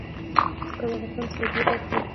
پکتیکا د افغانستان د سیلګرۍ برخه ده.